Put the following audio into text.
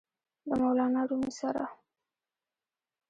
د مولانا رومي سره!!!